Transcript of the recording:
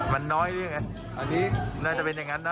มันน้อยนี่ไงอันนี้มันน้อยจะเป็นอย่างนั้นนะ